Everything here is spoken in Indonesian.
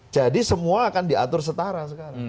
jadi semua akan diatur setara